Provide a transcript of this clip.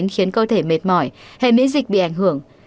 khiến cơ thể mệt mỏi hệ miễn dịch bị ảnh hưởng